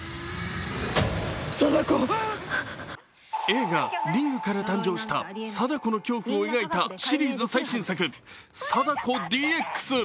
映画「リング」から誕生した貞子の恐怖を描いたシリーズ最新作「貞子ＤＸ」。